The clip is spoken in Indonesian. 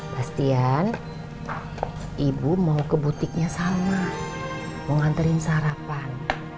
bastian ibu mau ke butiknya salma mau nganterin sarapan